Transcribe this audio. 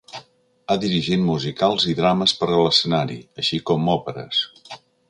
Ha dirigit musicals i drames per a l'escenari, així com òperes.